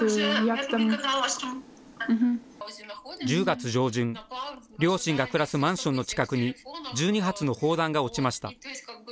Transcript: １０月上旬、両親が暮らすマンションの近くに、１２発の砲弾が落ちました。